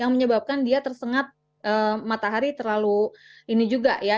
yang menyebabkan dia tersengat matahari terlalu ini juga ya